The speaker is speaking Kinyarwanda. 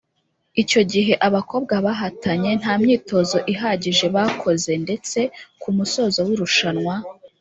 Icyo gihe abakobwa bahatanye nta myitozo ihagije bakoze ndetse ku musozo w’irushanwa